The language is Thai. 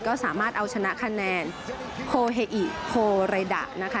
ก็สามารถเอาชนะคะแนนโฮเฮอิโฮเรดะนะคะ